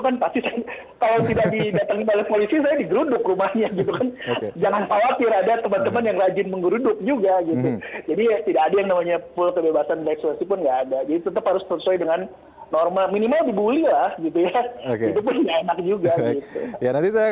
nah setiap hak